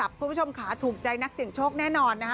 คุณผู้ชมค่ะถูกใจนักเสี่ยงโชคแน่นอนนะคะ